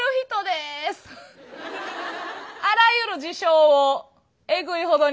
あらゆる事象をエグいほどに。